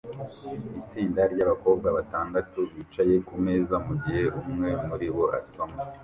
Itsinda ryabakobwa batandatu bicaye kumeza mugihe umwe muribo asoma